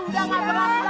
udah nggak berlaku lagi